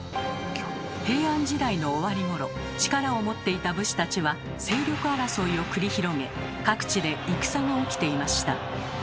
平安時代の終わりごろ力を持っていた武士たちは勢力争いを繰り広げ各地で戦が起きていました。